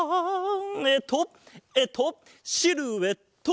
えっとえっとシルエット！